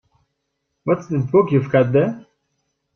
What's that book you've got there?